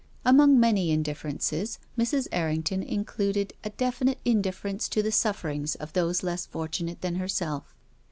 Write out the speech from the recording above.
Among many indifferences, Mrs. Errington in cluded a definite indifference to the sufferings of those less fortunate than herself.